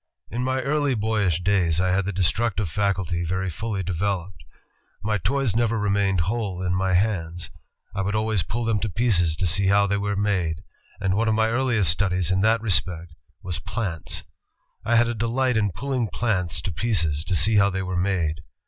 "In my early boyish days, I had the destructive faculty very fully developed. My toys never remained whole in my hands. I would always pull them to pieces to see how they were made, and one of my earliest studies in that respect was plants. I had a delight in pulling plants to pieces to see how they were made.